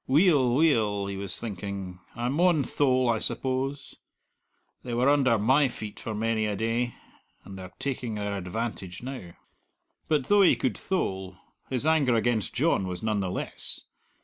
"Weel, weel," he was thinking, "I maun thole, I suppose. They were under my feet for many a day, and they're taking their advantage now." But though he could thole, his anger against John was none the less.